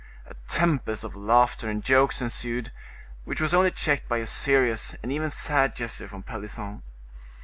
A tempest of laughter and jokes ensued, which was only checked by a serious and even sad gesture from Pelisson.